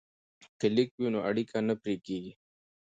که لیک وي نو اړیکه نه پرې کیږي.